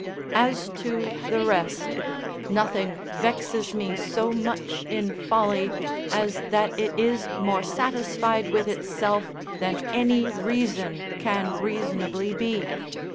As to the rest, nothing vexes me so much in folly as that it is more satisfied with itself than any reason can reasonably be.